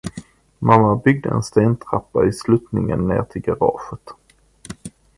Mamma byggde en stentrappa i sluttningen ner till garaget.